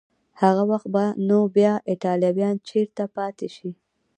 هغه وخت به نو بیا ایټالویان چیري پاتې شي؟